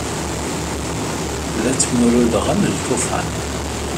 La ttmurudeɣ am ulufan.